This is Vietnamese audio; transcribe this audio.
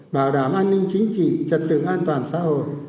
bảo đảm an ninh chính trị trật tự an toàn xã hội